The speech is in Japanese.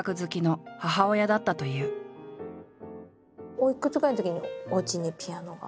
おいくつぐらいのときにおうちにピアノが？